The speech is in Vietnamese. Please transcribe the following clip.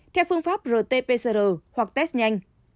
theo phương pháp rt pcr hoặc test nhanh